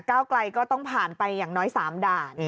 ไกลก็ต้องผ่านไปอย่างน้อย๓ด่าน